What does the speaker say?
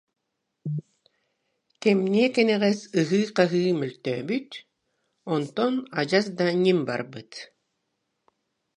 Кэмниэ-кэнэҕэс ыһыы-хаһыы мөлтөөбүт, онтон адьас да «ньим» барбыт